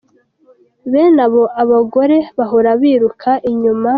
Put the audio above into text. Bene abo, abagore bahora babiruka inyuma.